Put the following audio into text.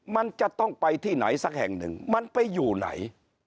มันจะต้องไปที่ไหนสักแห่งหนึ่งมันไปอยู่ไหน